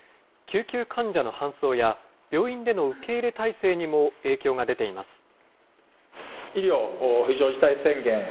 救急患者の搬送や、病院での受け入れ態勢にも影響が出ています。